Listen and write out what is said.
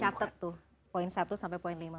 saya ingin catet tuh poin satu sampai poin lima